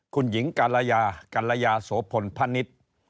คุณหญิงกัลยากัลยาสวพลพะนิษย์